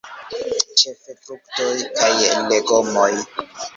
Ĉefe fruktoj kaj legomoj.